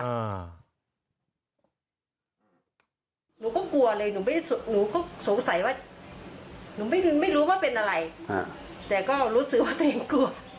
หนูก็กลัวเลยหนูก็สงสัยว่าหนูไม่รู้ว่าเป็นอะไรแต่ก็รู้สึกว่าตัวเองกลัว